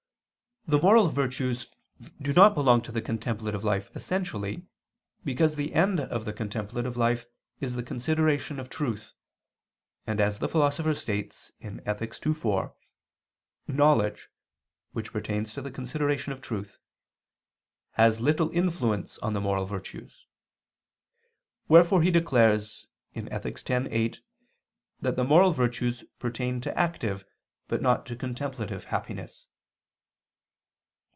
The moral virtues do not belong to the contemplative life essentially, because the end of the contemplative life is the consideration of truth: and as the Philosopher states (Ethic. ii, 4), "knowledge," which pertains to the consideration of truth, "has little influence on the moral virtues": wherefore he declares (Ethic. x, 8) that the moral virtues pertain to active but not to contemplative happiness.